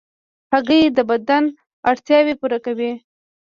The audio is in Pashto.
هګۍ د بدن اړتیاوې پوره کوي.